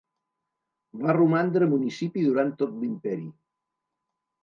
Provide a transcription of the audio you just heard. Va romandre municipi durant tot l'imperi.